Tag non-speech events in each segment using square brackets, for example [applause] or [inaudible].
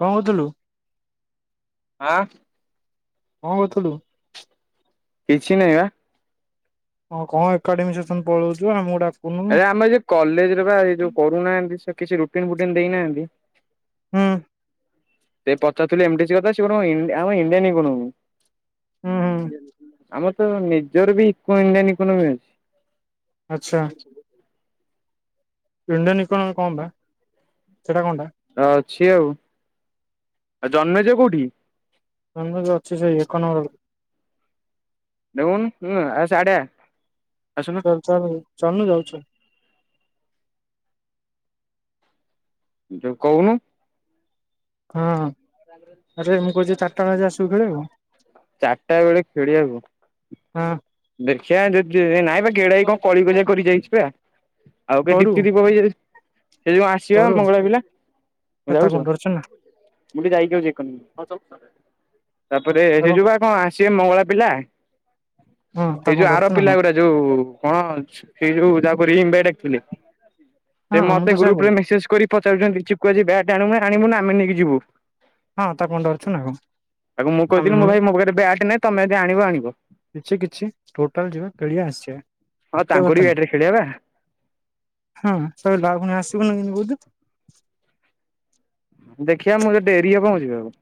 କଣ କହୁଥିଲୁ ଆଁ କଣ କରୁଥିଲୁ? କିଛି ନହିଁ ବା। ହଁ କଣ ଏକାଡେମି ସେକ୍ସନ ପଳଉଚୁ ଆମକୁ ଡାକ ଆ ଆମେ ଯଉ କଲେଜରେ ବା ଏ ଯୋଉ କରୁନାହାନ୍ତି ସେ କିଛି ରୁଟିନ ଫୁଟିନ ଦେଇନାହାନ୍ତି। ହୁଁ। ସେ ପଚାରୁଥିଲେ ଏମ ଡି ସି କଥା ସେ କଣ ଇ ଆମ ଇଣ୍ଡିଆନ ଇକୋନମି ହୁଁ ହୁଁ ଆମର ତ ନିଜର ବି ଇକୋ ଇଣ୍ଡିଆନ୍ ଇକୋନୋମି ଅଛି। ଆଛା ଇଣ୍ଡିଆନ୍ ଇକୋନୋମି କଣ ବା ସେଟା କଣ ଟା? ଅଛି ଆଉ ଆଉ ଜନ୍ମିଜ କୋଉଠି? ଜନ୍ମିଜ ଅଛି ସେଇ ଏକ ନମ୍ବର ଦେଉନୁ ହୁଁ [unintelligible] ଆସ ତୁ ଚାଲନୁ ଚାଲୁନୁ ଯାଉଚି ଜା। ଯୋଉ କହୁନୁ। ହଁଁ ଆରେ ମୁଁ କହୁଚି ଚାରିଟା ବାଜୁ ଆଶିବୁ ଖେଲି ବାକୁ? ଚାରିଟା ବେଳେ ଖେଳିବାକୁ? ଦେଖିଆ ଯଦି ନାଇଁ ବା ଗେଡା ଭାଇ ହଁ କଣ କଳିକଜିଆ କରି ଯାଇଚି ପା। ଆଉ କିଏ କରୁ ଦୀପ୍ତି ଦୀପକ ଭାଇ ଜଦି ସେ ଦିଜଣ ଆସିବେ କରୁ ମଙ୍ଗଳା ପିଲା କୁଆଡେ ତାକୁ କଣ ଯାଉଚ? ଡରୁଛୁ ନା ମୁଁ ଟିକେ ଯାଇକି ଆଉଚି ଏକୋନମି ତାପରେ ସେ ତାକୁ ଯୋଉ କଣ ସିଏ ମଙ୍ଗଳା ପିଲା ହଁ ଏ ତାକୁ କଣ ଯୋଉ ଆର ଡରୁଛୁ ନା ପିଲା ଗୁରା ଯୋଉ କଣ ସେ ଯୋଉ ଯାହାକୁ [unintelligible] ଡାକିଥିଲେ। ସେ କଣ ହଁ ମୁଁ ତ ମୋତେ ସେଇଆ ଗ୍ରୁପ ରେ କହୁଛି ମେସେଜ୍ କରି ପଚାରୁଚନ୍ତି ଚିକୁ ଆଜି ବ୍ୟାଟ୍ ଆଣୁ ଆଣିବୁ ନା ଆମେ ନେଇକି ଯିବୁ? ହଁ ତାକୁ କଣ ଡରୁଚୁନା କଣ। ଦି କହିଥିଲି ମୁଁ ହୁଁ ଭାଇ ମୋ ପାଖରେ ବ୍ୟାଟ୍ ନାହିଁ ତମେ ଜଦି ଆଣିବ ଆଣିବ। କିଛି କିଛି ଟୋଟାଲ ଯିବା ଖେଳିବା ଆସିବା। ହଁ ଏତେ କଥା ତାଙ୍କରି ବ୍ୟାଟ ରେ ଖେଳିବା ପା। ହଁ ସଇଲା ଆଉ ଫୁଣି ଆସିବୁନି କେମିତି କହୁଚୁ? ଦେଖିଆ ମୁଁ ତ ଡେରି ହବ ମୁଁ ଯିବାକୁ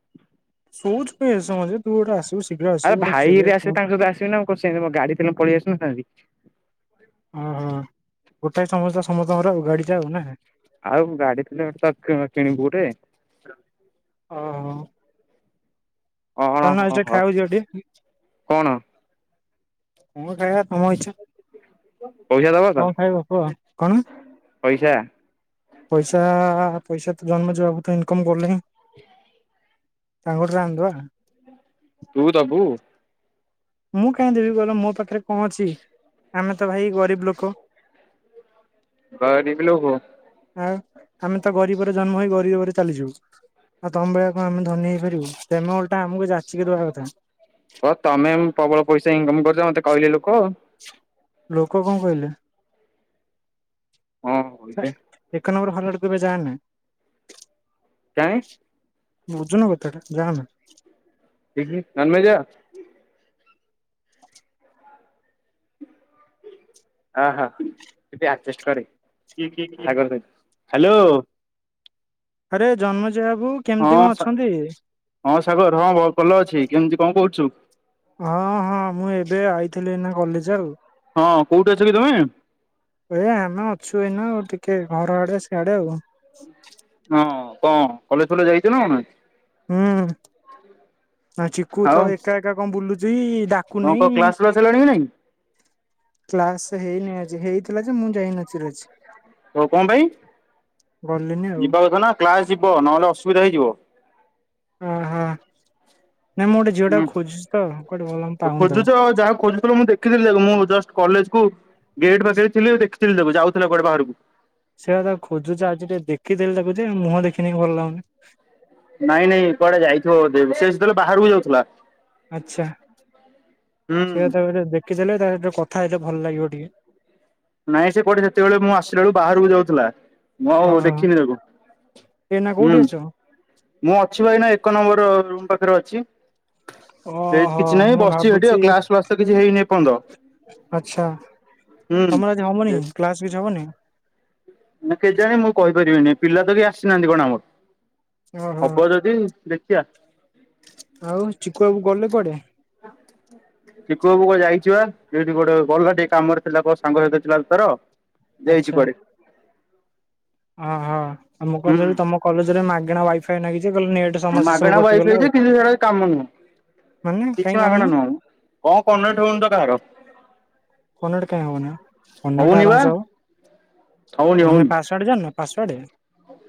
ସୁଚୁ କଣ ଏତେ ସାମ ଯେ ତୁ ଗୋଟେ ଆଶିବୁ ଶୀଘ୍ର ଆରେ ଆଶିବୁ ଗୋଟେ ଭାଇ ଖେଳିଆ କଣ [unintelligible] କଣ ସେମିତି ମୋର ଗଡି ଥିଲେ ମୁଁ ପଳେଇ ଆସି ନଥାନ୍ତି। ଓହୋ ଗୋଟାଏ ସମସ୍ତ ସମସ୍ତଙ୍କର ଆଉ ଗାଡିଟା ଆଉ ନା? ଆଉ ଗାଡି ଥିଲେ [unintelligible] କିଣିବୁ ଗୋଟେ। ଅ ହଁ। କଣ ଚାଲୁନୁ ଆଜି ହଁ ଟିକେ ହଁ ଖାଇବାକୁ ଯିବା ଟିକେ କଣ କଣ ଖାଇବା ତମ ଇଛା। ପଇସା ଦବ ତ କୁହ କଣ ପଇସା? ପଇସା ପଇସା ତ ଜନ୍ମେଜ ବାବୁ ତ ଇନକମ୍ କରୁନାହିଁ। ସାଙ୍ଗରେ ଯାନ୍ତି ପା। ତୁ ଦବୁ? ମୁଁ କାହିଁ ଦେବି କହିଲ ମୋ ପାଖରେ କଣ ଅଛି ଆମେ ତ ଭାଇ ଗରିବ ଲୋକ। ଗରିବ ଲୋକ? ଆଉ ଆମେ ତ ଗରିବରେ ଜନ୍ମ ହେଇ ଗରିବରେ ଚାଲିଯିବୁ। ଆଉ ତମ ଭଳିଆ କଣ ଆମେ ଧନୀ ହେଇପାରିବୁ ତମେ ଓଲଟା ଆମକୁ ଯାଚିକି ଦେବା କଥା। ହଁ ତମେ ଏନେ ପ୍ରବଳ ପଇସା ଇନକମ୍ମ କରୁଚ ମତେ କହିଲେ ଲୋକ। ଲୋକ କଣ କହିଲେ? ହଁ କହିଲେ। ଏକ ନମ୍ବର ଭଲ [unintelligible] କେବେ ଯାଏନ। କାଇଁ। ବୁଝୁନ କଥାଟା ନାହାନ୍ତି। [unintelligible] ହ ହ ଟିକେ ଅଚେଷ୍ଟ କରେ ହ୍ୟାଲୋ। ଆରେ ଜନ୍ମ ଯାହାକୁ। ହଁ ହଁ ସାଗର ହଁ ଭଲ ଅଛି କେମିତି କଣ କରଛୁ? ହଁ ହଁ ମୁଁ ଏବେ ଆଇଥିଲି ନା କଲେଜ ଆଉ। ହଁ କୋଉଠି ଅଛ କି ତମେ। ଏ ଆମେ ଅଛୁ ଏଇନା ଆଉ ଟିକେ ଘର ଆଡେ ସିଆଡେ ଆଉ। ହଁ କଣ କଲେଜ ଫଲେ ଯାଇଛୁ ନା? [unintelligible] ହୁଁ ଚିକୁ ଆଉ ତ ଏକା ଏକା କଣ ବୁଲୁଚ ଡା। କଣ କଣ କ୍ଲାସ [unintelligible] ଫ୍ଲାସ ହେଲାଣି କି ନାଇଁ? କ୍ଲାସ ହେଇନି ଆଜି ହେଇଥିଲା ଯେ ମୁଁ ଯାଇନଥିଲି ଆଜି। ହଉ କଣ ପାଇଁ ଗଲିନି ଆଉ। ଯିବା କଥା ନା କ୍ଲାସ ଯିବ ନହେଲେ ଅସୁବିଧା ହେଇଯିବ। ଓହୋ ନାଇଁ ମୁଁ ଗୋଟେ ଝିଅ ହୁଁ ଟାକୁ ଖୋଜୁଛି ତ। ପାଉନି ତାକୁ। ଖୋଜୁଛ ଆ ଯାହା ଖୋଜୁଥିଲ ମୁଁ ଦେଖି ଦେଖିଥିଲି ଦେବୁ ମୁଁ ଜ କଲେଜ କୁ ଗେଟ୍ ପାଖରେ ଥିଲି ଦେଖିଥିଲି ଦେବୁ ଯାଉଥିଲା କୁଆଡେ ବାହାରକୁ। ସେଇଟା ତା ଖୋଜୁ ଆଜି ଟିକେ ଦେଖିଦେଲି ତାକୁଛି ମୁହଁ ଦେଖିନକି ଭଲ ଲାଗୁନି। ନାଇଁ ନାଇଁ କୁଆଡେ ଯାଇଥିବ ବୋଧେ ସିଏ ଯେତେବେଳେ ବାହାରକୁ ଯାଉଥିଲା। ଆଚ୍ଛା। ହୁଁ। ଦେଖି ଦେଲେ ତା କଥା ହେଇଟା ଭଲ ଲାଗିବ ଟିକେ। ନାଇଁ ସେ କୋଠି ସେତେବେଳେ ମୁଁ ଆସିଲା ବେଳକୁ ବାହାରକୁ ଯାଉଥିଲା ମୁଁ ଆ ହଉ ଦେଖିନି ତାକୁ। ଏ ନା ହୁଁ କୋଉଠି ଅଛ। ମୁଁ ଅଛି ଭାଇନା ଏକ ନମ୍ବର ରୁମ୍ ପାଖରେ ଅଛି। ସେଠ ଓହୋ କିଛି ନାହିଁ ମୁଁ ବସିଛି ସେଠି ଭାବୁଛି ଆଉ କ୍ଲାସ ଫ୍ଲାସ ତ କିଛି ହେଇନି ଏ ପର୍ଯ୍ୟନ୍ତ। ଆଚ୍ଛା ତମର ଆଜି ହବନି କ୍ଲାସ କିଛି ହବନି। ନା କେ ଜାଣି ମୁଁ କହିପାରିବିନି ପିଲା ତ କି ଆସିନାହାନ୍ତି କଣ ଆମର? ଓହୋ ହବ ଯଦି ଦେଖିବା। ଆଉ ଚିକୁ ବାବୁ ଗଲେ କୁଆଡେ। [unintelligible] ଚିକୁ କୁ ବାବୁ କୁଆଡେ ଯାଇଛି ପା ଡିଉଟି କୁଆଡେ ଗଲା ଟିକେ କାମରେ ଥିଲା କ ସାଙ୍ଗ ସହିତ ଥିଲା ତାର। ଦେଇଛି ଆଚ୍ଛା କୁଆଡେ। ଓହୋ ଆଉ ମୁଁ ହୁଁ କଥିଲି ତମ କଲେଜରେ ମାଗଣା। [unintelligible] ଖାଇାଗିଛି କ ନେଟ ସମସ୍ୟା ମାଗଣା ସବୁ ୱାଇଫାଇ କଟିଗଲା ଯେ ଆଉ କିନ୍ତୁ ସେଟା କାମ ନୁହଁ। ମାନେ କିଛି କାଇଁ କାମ ମାଗଣା ନୁହଁ। କଣ କନେଟ ହଉନି ତ କାହାର? କନେଟ କାଇଁ ହଉନି ବା କନେଟ ହଉନି ବା ଆରାମସ ହବ ହଉନି ମାନେ ହଉନି। ପାସ୍ ପାୱାର୍ଡ଼େ ଜାଣିନ ପାସୱର୍ଡ।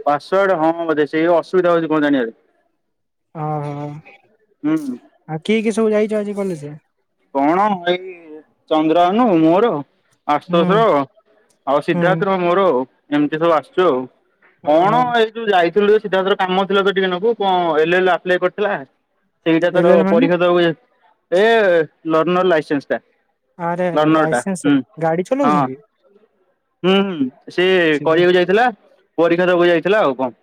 ପାସୱାର୍ଡ ହଁ ବୋଧେ ସେ ଅସୁବିଧା ହଉଛି କଣ ଜାଣିବାରେ? ଓହୋ ଆଉ ହୁଁ କିଏ କିଏ ସବୁ ଯାଇଛ ଆଜି କଲେଜରେ। କଣ ଏଇ ଚନ୍ଦ୍ରନୁ ମୋର। ହୁଁ ଆଶଶୁର ଆଉ ହୁଁ ସିଦ୍ଧାର୍ଥ ମୋର ଆଉ ଏମିତି ସବୁ ଆସିୁଛ ଆଉ। ଓହୋ କଣ ଏଇ ଯୋଉ ଯାଇଥିଲୁ ସିଧାସଳ କାମ ଥିଲା ଟିକେ ନ କଣ ଏଲ ଆପ୍ଏ କରିଥିଲା? ସେଇଟା ତାର ଏଲେନ ମାନେ? ପରିଶୋଧ ଏ ଲଣର ଲାଇସେନ୍ସ ଟା। ଆରେ, ଆରେ ଲର୍ଣ୍ଣର ଟା ଲାଇସେନ୍ସ ହୁଁ। ଗାଡି ହଁ ଚଲାଉଛନ୍ତି‌। ହୁଁ ହୁଁ ସିଏ ସିଧା କରିବାକୁ ଯାଇଥିଲା ପରୀକ୍ଷା ଦବାକୁ ଯାଇଥିଲା ଆଉ କଣ?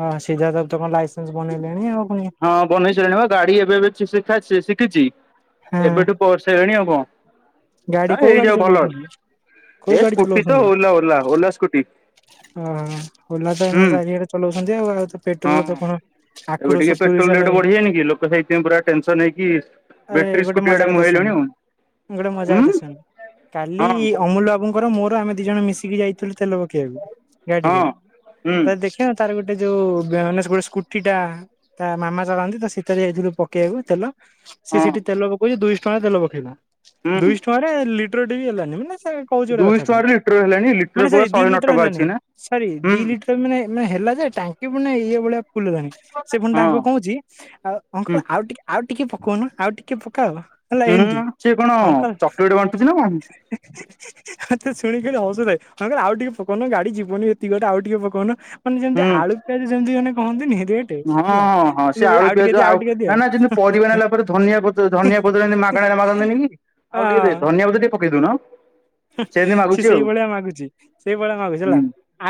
ହଁ ସିଝା ସବ ତ କଣ ଲାଇସେନ୍ସ ବନେଇଲେଣି ଆଉ ପୁଣି ବନେଇସାରାଣି ବା ଗାଡି ଏବେ ଏ ଶିଖ ଶିଖିଛି। ହଁ। ଏବେଠୁ ପରସେଇଲେଣି ଆଉ କଣ? ଗାଡି ନା କୋଉ ଗାଡି ଏଇଯାଉ ଭଲ ଚଲଉଛନ୍ତି? କୋଉ ଏ ଗାଡି ସ୍କୁଟି ତ ଚଲଉଛନ୍ତି? Ola Ola, Ola scooty. ହଁ ଓହ ଓଲା ତ ଏଇନା ହୁଁ ଚାରିଆଡେ ଚଲାଉଛନ୍ତି ଆଉ ଆଉ ତ ହଁ ପେଟ୍ରୋଲ ତ କଣ? ଏବେ ଆଖୁରୁ ଟିକେ ସବୁ ପୁରେଇ ପେଟ୍ରୋଲ ରେଟ୍ ସାରିଲାଣି ବଢିାନି କି ଲୋକ ସେଇଥିପଁ ପୁରା ଟେନସନ ହେଇକି ଆରେ ବେଟ୍ରି ଗୋଟେ ସ୍କୁଟି ମଜା ଆଡ଼େ କଥା ଶୁଣ ମୁହେଲେନି ଆଉ। ଗୋଟେ ମଜା ହୁଁ କଥା ଶୁଣ କାଲି ହଁ କହୁ ଅମୁଲ ବାବୁଙ୍କର ମୋର ଆମେ ଦି ଜଣ ମିଶିକି ଯାଇ ତୁ ତେଲ ପକେଇବାକୁ ଗାଡିରେ ହଁ ହୁଁ ତ ଦେଖ କ ତାର ଗୋଟେ ଯୋଉ ମାନେ ଗୋଟେ ସ୍କୁଟି ଟା ତା ମାମା ଚାଲନ୍ତି ତ ଶୀତରେ ଯାଇଥିଲୁ ପକେଇବାକୁ ତେଲ ସେ ହଁ ସେଠି ତେଲ ପକେଇଛି ଦୁଇଶହ ଟଙ୍କାରେ ତେଲ ପକେଇଲା। ହୁଁ ଦୁଇଶହ ଟଙ୍କାରେ ଲିଟର ଟି ବି ହେଲାନି ମାନେ କ ଗେ ଦୁଇଶହ କଥା ଟଙ୍କାରେ ଲିଟର ହେଲାଣି ମାନେ ଲିଟରକୁ ସ ବା ଦି ଶହେ ନଅ ଲିଟର ଟଙ୍କା ଅଛି ଏଇନା ହେ ହୁଁ ଦିଟର ମାନେ ମାନେ ହେଲା ଯେ ଟାଙ୍କି ପେ ଇଏ ଭଳିଆ ଫୁଲଲାଣି। ସେ ପୁଣି ହଁ ତାଙ୍କୁ କହୁଛି ଆଉ ହୁଁ ଅଙ୍କଲ ଆଉେ ଆଉ ଟିକେ ପକଉନୁ ଆଉ ଟିକେ ପକାଅ। ହେଲା ଏମିତି। ସେଏ କଣ ଚକୋଲେଟ ବାଣ୍ଟୁଛି ନା କଣ? [inaudible] ଆେ ଶୁଣିିକିଲେ ଅସୁଧାାଇ କିଲ ଆ ଟିକେ ପଉନ ଗାଡି ଯିବନି ଏତିକିଟେ ଆଉ ଟିକେ ପୋକଉନ। ମାନେ ଯେମିତି ହୁଁ ଆଳୁ ପିଆଜ ଯେମିତି ଜଣେ କହନ୍ତି ନିତି ଗଟେ ହଁ ହଁ ହଁ ସେ ହେଲା ଆଉ ଟିକେ ଦିଅ ଆଉ ଟିକେ ଦିଅ। ତା ଧିଆ ଧନିଆ ପତ୍ର ଏମିତିାଗଣାାରେ ମାଗନ୍ତିନି କି ଆଉ ଟିକେ ହଁ ଧନିଆ ପତ୍ର ଟିକେ ପକେଇ ଦେଉନ। ସେ ସେଇଭଳିଆ ମାଗୁଛି, ସେଇଭଳିଆ ମାଗୁଛି ହେଲା। ହୁଁ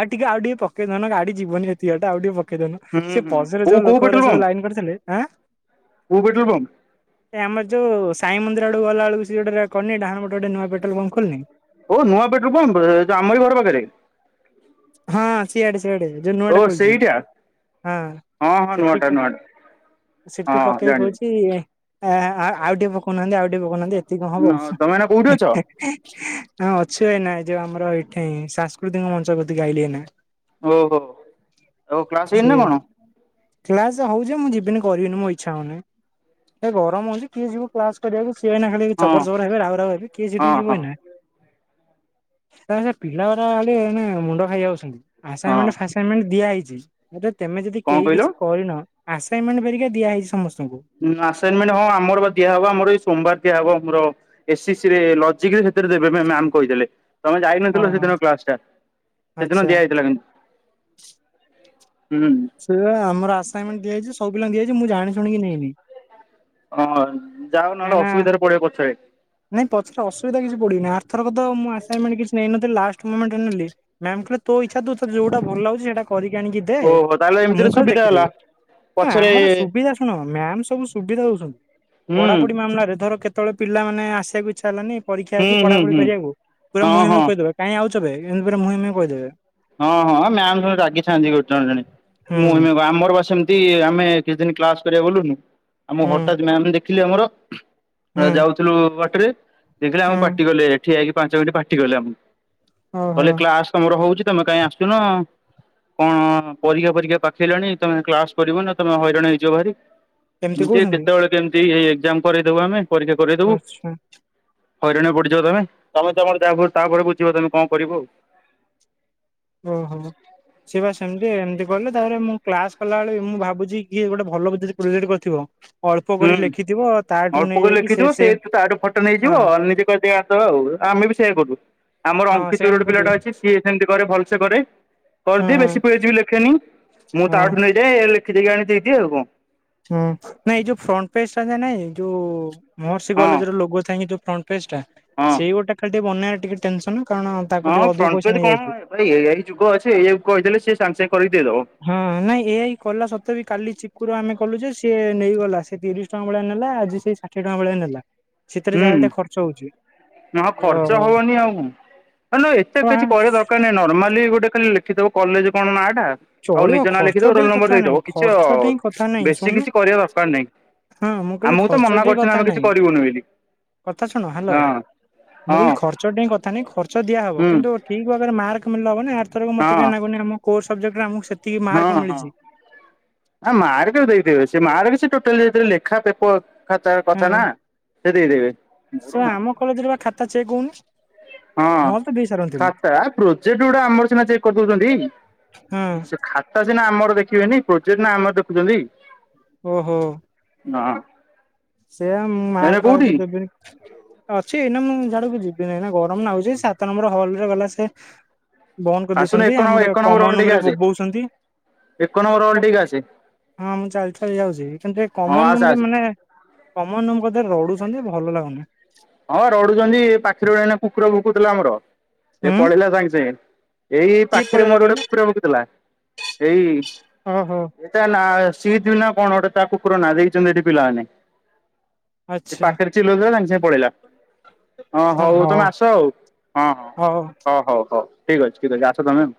ଆଉ ଟିକେ ଆଉ ଟିକେ ପକେଇ ଧନ ଗାଡି ଯିବନି ଏତିଇଟା ଆଉ ଟିକେ ପଖେଇଦନୁ ହୁଁ ସେ ହୁଁ ପସରେ କୋଉ ଯୋଉ କୋଉ ଲୋକ ଗଡ ପେଟ୍ରୋଲ ସବ ଲାଇନ ପମ୍ପ କରିଥିଲେ ହାଁ କୋଉ ପେଟ୍ରୋଲ ପମ୍ପ ଏ ଆମର ଯଉ ସାଇ ମନ୍ଦିର ଆଡକୁ ଗଲା ବେଳକୁ ସେ ଗୋଟେ କନି ଡାହାଣ ପଟୁ ନୂଆ ପେଟ୍ରୋଲ ପମ୍ପ ଖୋଲିନି ଓ ନୂଆ ପେଟ୍ରୋଲ ପମ୍ପୋ ଆମର ଘର ପାଖରେ ହଁ ସିଆଡେ ସିଆଡେ ଯୋଉ ଓ ନୂଆ ଟା ଖୋଲିଛି ସେଇଟା ହଁ ହଁ ହଁ ନୂଆଟା ସେଠିକ ନୂଆଟା ସିଟି ହଁ ପକେଇକି ଜାଣିଲି କହୁଛି‌। ଆ ଆଉ ଟିକେ ପକଉନାହାନ୍ତି ଆଉ ଟି ପକଉନାହାନ୍ତି ଏତିକି କଣ ହବ? ତମେ ଏଇନା କୋଉଠି ଅଛ? ହଁ ଅଛୁ ଏନା ଏ ଯୋଉ ଆମର ଏଇଠି ସାଂସ୍କୃତିକ ମଞ୍ଚ ପ୍ରତି ଆଇଲି ଏନା ଓହୋ ଓ କ୍ଲାସ ସେ ହେଇନ ନା କଣ? କ୍ଲାସ ହଉଛି ମୁଁ ଯିବିନି କରିବିନି ମୋ ଇଚ୍ଛା ହଉନି ଗରମ ହଉଛି କିଏ ଯିବ? କ୍ଲାସ କରିବାକୁ ସିଏଇ ଖା ହଁ ଜବର ଜବର ହେବେ ରାଉ ରାଉ ହେବେ କିଏଠି ହଁ ଯିବ ହଁ ଏଇନା। ପିଲା ଗୁରା କାଲି ମୁଣ୍ଡ ଖାଇ ଯାଉଛନ୍ତି ଆସା ହଁ ପେମେଣ୍ଟ ଦିଆ ହୋଇଛି ତମେ ଯଦି କଣ କେହି କିଛି କହିଲ? କରିନ ଆସନମେଣ୍ଟରିକା ଦିଆ ହେଇଛି ସମସ୍ତଙ୍କୁ। ଆସାଇନମେଣ୍ଟ ହଁ ଆମର ବା ଦିଆ ହବ ଆମର ଏଇ ସୋମଵାର ଦିଆ ହବ ଆମର ଏସିଶିରେ ଲଜିକ ରେ ଦେବେ ମାମ କହିଥିଲେ? ତମେ ଯାଇନଥିଲ ଓହୋ ସେଦିନ କ୍ଲାସ ଟା ସେଦିନ ଆଚ୍ଛା ଦିଆଯାଇଥିଲା କିନ୍ତୁ ହୁଁ। ସେ ଆମର ଆସାଇନମେଣ୍ଟ ଦଆଯାଇଛି ସବୁିଲା ଦିଆଯଛି ମୁ ଜାଣି ଶୁଣିକି ନେଇନି। ହଁ ଯାାଉ କାହିଁକି ନହେଲେ ନା ଅସୁବିଧାରେ ପଡିବ ପଛରେ। ନାଇଁ ପଛରେ ଅସୁବିଧା କିଛି ପଡୁି ଆଥର ତ ମୁଁ ଆସାଇନମେଣ୍ଟ କିଛି ନଁ ନ ଲାଷ୍ଟ ମାମୋଣ୍ଟ ରେ ନେଲି ତୋ ଇଛା ଯୋଉଟା ଭଲ ଲାଗୁ ସେଇଟା କରିକି ଆଣିକି ଦେ ଓହୋ ତାହେଲେ ଆଉ ଏମିତିରେ ମୁଁ ଖାଲି ସୁବିଧା ହେଲା ଦେଖିଦେବି। ପଛରେ ଆମର ସୁବିଧା ଶୁଣ ମ୍ୟାମ୍ ସବୁ ସୁବିଧା ଦଉଛନ୍ତି। ହୁଁ ପଢ଼ାପଢ଼ି ମାମଲାରେ ଧର କେତେବେଳେ ପିଲାମାନେ ଆସିବାକୁ ଇଚ୍ଛା ହେଲାନି। ପରୀକ୍ଷା ହୁଁ ଅଛି ହୁଁ ପଢ଼ାପଢ଼ି ହୁଁ କରିବାକୁ ପୁରା ହଁ ମୁହେଁ ହଁ ମୁହେଁ କହିଦେବେ କାଇଁ ଆଉଚବେ ଏମିତି ପୁରା ମୁହେଁ ମୁହେଁ କହିଦେବେ। ହଁ ହଁ ମ୍ୟାାମ୍ ସବୁବେଳେ ରାଗିଥାନ୍ତି ଗୋ ଜଣେ ଜଣେ ହୁଁ ମୁହେଁ ଆମର ବା ସେମିତି ଏମିତି ଆମେ କିଛି ଦିନ୍ କ୍ଲାସ କରିବାକୁ ଗଲୁନୁ। ଆମ ହୁଁ ହଠାତ୍ ମ୍ୟାମ୍ ଦେଖିଲେ ଆମର। ଆଁ ହୁଁ ଯାଉଥିଲୁ ବାଟରେ ଦେଖିଲେ ଆମକୁ ହୁଁ ପାଟି କଲେ ଠିଆ ହେଇକି ପାଞ୍ଚ ମିନିଟ୍ ପାଟି କଲେ ଆମକୁ। ଓହୋ କହିଲେ କ୍ଲାସ ତମର ହଉଛି ତମେ କାହିଁ ଆସୁନ। କଣ ପରୀକ୍ଷା ପରୀକ୍ଷା ପାଖେଇଲାଣି ତମେ କ୍ଲାସ କରିବ ନା ତମେ ହଇରାଣ ହେଇଯିବ ଭାରି। ଏମିତି କେତେବେଳେ କେମିତି ଏ ଏକ୍ଜାମ କରେଇଦେବୁ ଆମେ ପରୀକ୍ଷାକରେଇଦେବୁ। ଆଚ୍ଛା ହଇରାଣ ପଡିଯିବ ତମେ ତମେ ତମର ଯା ତାପରେ ବୁଝିବ ତମେ କଣ କରିବ ଆଉ? ଓହୋ ସିଏ ବା ଏମିତି ଏମିତି କଲେ ତାପରେ ମୁଁ କ୍ଲାସ୍ କଲାବେଳେ ମୁଁ ଭାବୁଛି କି ଗୋଟେ ଭଲ ବୋଧେ ପ୍ରୋଜେକ୍ଟ କରିଥିବ। ଅଳ୍ପ କରି ହୁଁ ଲେଖିଥିବ ତାଠୁ ଅଳ୍ପ କରି ନେଇଯାଇକି ସେ ଲେଖିଥିବ ସେଇ ସେମ୍ ତାଠୁ ଫଟୋ ହଁ ନେଇଯିବ ଆଉ ନିଜେ କରିଦେଇ ଅ [unintelligible] ଆମେ ବି ସେଇଆ କରୁଚୁ ଆମର ହଁ ଅଙ୍କିତ ବୋଲି ସେମ୍ ଗୋଟେ କରିଦେବି ପିଲାଟା ଅଛି ସିଏ ସେମିତି କରେ ଭଲସେ କରେ। ହଁ କରିଦିଏ ହଁ ବେଶୀ ପେଜ୍ ବି ଲେଖେନି ମୁଁ ହଁ। ତାଠୁ ନେଇଯାଏ ଲେଖିଦେଇକି ଆଣି ଦେଇଦିଏ ଆଉ କଣ। ହଁ ନାଇଁ ଏ ଯୋଉ ଫ୍ରଣ୍ଟ ପେଜଟା ତା ନାଇଁ ଯୋଉ ମହର୍ଷି ହଁ କଲେଜର ଲୋଗଥାଇକି ଯୋଉ ଫ୍ରଣ୍ଟ ପେଜଟା ହଁ। ସେଇ ଗୋଟେ ଖାଲି ଟିକେ ବନ୍ୟା ଟିକେ ଟେନସନ୍ କାରଣ ତାକୁ ହଁ ଟିକେ ଅଧିକ ଫ୍ରଣ୍ଟ ପେଜ ପଇସା କଣ ନେଇଯାଉଚି। ଭାଇ ଏ ଆଇ ଯୁଗ ଅଛି ଏଇଆକୁ କହିଦେଲେ ସେ ସାଙ୍ଗେ ସାଙ୍ଗେ କରିିକି ଦେଇଦବ। ହଁ ନାଇଁ ଏହା ହଁ କଲା ସତେ ବି କାଲି ଚକୁରୁ ଆମେ କଲୁ ଯେ ସିଏ ନେଇଗଲା। ସେ ତିରିଶ ଟଙ୍କା ଭଳିଆ ନେଲା ଆଜି ସେ ଷାଠିଏ ଟଙ୍କା ଭଳିଆ ନେଲା ସେଥିରେ ଯାହାହେଲେ ଟିକେ ଖର୍ଚ୍ଚ ହଉଛି। ନାଁ ଖର୍ଚ୍ଚ ଓହୋ ହବନି ଆଉ। ଆଲୋ ଏତେ କିଛି କହିବା ଦରକାର ନାହିଁ ନର୍ମାଲି ଗୋଟେ ଖାଲି ଲେଖିଦବ କଲେଜ କଣ ନାଁ ଟା। ଆଉ ଚଳିବ ନିଜ ନାଁ ଲେଖିଦବ ଖର୍ଚ୍ଚଟି ରୋଲ ନମ୍ବର କଥା ନାଇଁ ଦେଇଦବ କିଛି ଖର୍ଚ୍ଚଟି କଥା ନାଇଁ ବେଶୀ ଶୁଣୁନୁ କିଛି କରିବା ଦରକାର ନାହିଁ। ହଁ ମୁଁ କହିଲି ଆମକୁ ତ ମନା ଖର୍ଚ୍ଚଟି କରୁଚନ୍ତି କଥା ଆମେ କିଛି ନାଇଁ କରିବୁନି ବୋଲି। କଥା ଶୁଣ ହ୍ୟାଲୋ ହଁ ମୁଁ ହଁ କହିଲି ଖର୍ଚ୍ଚଟାଇ କଥା ନାହିଁ ଖର୍ଚ୍ଚ ଦିଆହବ। ହୁଁ କିନ୍ତୁ ଠିକ୍ ଭାବରେ ମାର୍କ ମିଳେ ହବନି ଆରଥରକ ହଁ ମତେ କାଇଁ ଲାଗୁନି ଆମକୁ କୋଉ ସବଜେକ୍ଟରେ ସେ ହଁ ହଁ ଆଁ ମାର୍କ ଦେଇଦେବେ ସେ ମାର୍କରେ ଟୋଟାଲ ଯେତେବେଳେ ଲେଖା ପେପର୍ ଖାତାର କଥା ନା ସେ ଦେଇଦେବେ। ଶୁଣ ଆମ କଲେଜରେ ବା ଖାତା ଚେକ୍ ହଉନି। ହଁ ନହେଲେ ତ ଦେଇ ସାରନ୍ତିଣି ଖାତା ପ୍ରୋଜେକ୍ଟଉରା ଆମର ସିନା ଚେକ୍ କରିଦଉଚନ୍ତି। ହଁ ସେ ଖାତା ସିନା ଆମର ଦେଖିବେନି ପ୍ରୋଜେକ୍ଟ ନା ଆମର ଦେଖୁଚନ୍ତି। ଓହୋ ନାଁ ସେଇଆ ମାର୍କ ଫାର୍କ ଦେବିନି ଅଛି ଏଇନା ମୁଁ ସିଆଡକୁ ଯିବିନି ଏଇନା ଗ ଗରମ ଲାଗୁଚି ସାତ ନମ୍ବର ହଲରେ ଗଲା ସେ ବନ୍ଦ ଆସୁନୁ କରିଦେଇଛନ୍ତି ଏକ ନମ୍ବର ଆମର ଏକ ନମ୍ବର କମନ ହଲ୍ ଟିକେ ରୁମରେ ଆସେ ବୋବଉଚନ୍ତି। ଏକ ନମ୍ବର ହଲ୍ କ ଟିକେ ଆସେ ହଁ ମୁଁ ଚାଲି ଚାଲି ଯାଉଚି କିନ୍ତୁ ଏ ହଁ କମନ ଆସେ ରୁମରେ ଆସେ। ମାନେ କମନ ରୁମ କଥା ଲଢୁଛନ୍ତି ଭଲ ଲାଗୁନି। ହଁ ରଢୁଛନ୍ତି ଏ ପାଖିରେ ଏଇନା କୁକୁର ଭୁକୁଥିଲା ଆମର ଏ ହୁଁ ପଳେଇଲା ସାଙ୍ଗେ ସାଙ୍ଗେ। ଏଇ କିଏ ପାଖରେ ପଳେଇଲା ମୋର ଗୋଟେ କହିଲୁ କୁକୁର ଭୋକୁଥିଲା। ଓହୋ ଏଇ ତା ନାଁ ସିଦ୍ଧ ନା କଣ ଗୋଟେ ତା କୁକୁର ନା ଦେଇଚନ୍ତି ଏଠି ପିଲାମାନେ। ସେ ଆଚ୍ଛା ପାଖରେ ଚିହ୍ନିଲା ଯାହା ତାଙ୍କ ସାଙ୍ଗେ ପଳେଇଲା। ହଁ ହଉ ତମେ ଆସ ଆଉ ହଁ ହଁ ହଉ ହ ହଉ ହଉ ଠିକ୍ ଅଛି ଠିକ୍ ଅଛି ଆସ ତମେ ଆଉ।